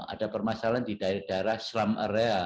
ada permasalahan di daerah daerah slam area